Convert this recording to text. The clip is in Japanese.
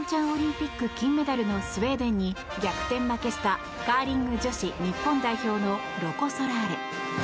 オリンピック金メダルのスウェーデンに逆転負けしたカーリング女子日本代表のロコ・ソラーレ。